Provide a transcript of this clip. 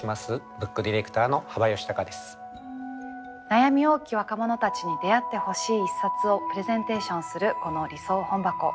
悩み多き若者たちに出会ってほしい一冊をプレゼンテーションするこの「理想本箱」。